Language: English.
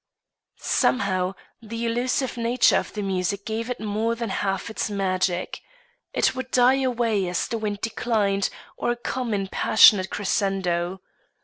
Somehow the elusive nature of the music gave it more than half its magic. It would die away as the wind declined, or come in passionate crescendo.